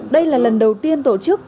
đây là lần đầu tiên tổ chức